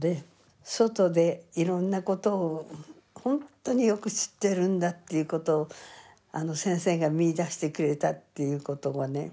外でいろんなことをほんとによく知ってるんだっていうことをあの先生が見いだしてくれたっていうことがね